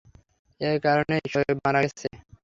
এর কারণেই শোয়েব মারা গেছে!